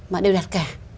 mà đều đạt cả